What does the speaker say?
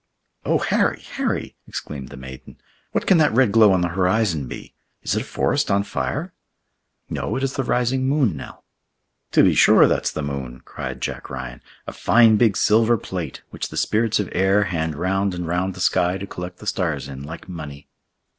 "Oh, Harry! Harry!" exclaimed the maiden, "what can that red glow on the horizon be? Is it a forest on fire?" "No, it is the rising moon, Nell." "To be sure, that's the moon," cried Jack Ryan, "a fine big silver plate, which the spirits of air hand round and round the sky to collect the stars in, like money."